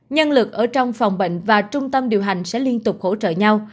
nhân lực ở trong phòng bệnh và trung tâm điều hành sẽ liên tục hỗ trợ nhau